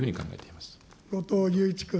後藤祐一君。